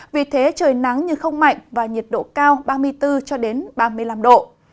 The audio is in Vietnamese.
vì thế trời nắng như không mạnh và nhiệt độ cao ba mươi bốn ba mươi năm độ